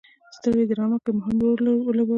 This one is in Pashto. سترې ډرامه کې مهم رول ولوبوي.